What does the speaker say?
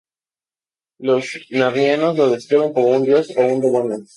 Los Narnianos lo describen como un dios o un demonio.